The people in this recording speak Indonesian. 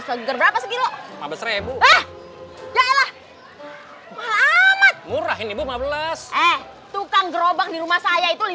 seger berapa segitu abis rebu ya allah murah ini buka belas eh tukang gerobak di rumah saya itu